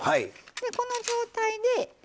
この状態で。